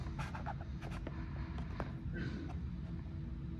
অন্য প্রাণী থেকে নিজেদের আলাদা করতে প্রত্যেকের চিন্তাকে শাণিত করতে হবে।